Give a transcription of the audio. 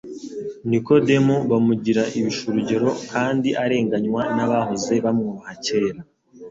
Nikodemu bamugira ibishurugero kandi arenganywa n'abahoze bamwubaha kera.